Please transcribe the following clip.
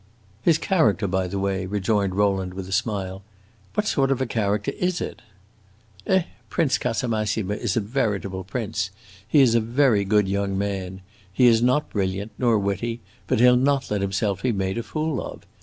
"His character, by the way," rejoined Rowland, with a smile; "what sort of a character is it?" "Eh, Prince Casamassima is a veritable prince! He is a very good young man. He is not brilliant, nor witty, but he 'll not let himself be made a fool of.